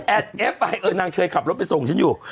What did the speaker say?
เอฟไปเออนางเคยขับรถไปส่งฉันอยู่